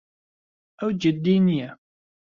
ئەو جددی نییە.